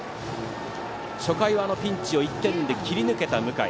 初回は、あのピンチを１点で切り抜けた向井。